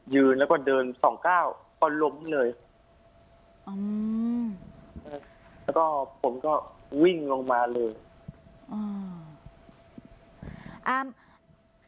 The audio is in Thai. ยืนแล้วก็เดินสองเก้าพอล้มเลยอืมแล้วก็ผมก็วิ่งลงมาเลยอืมอ่า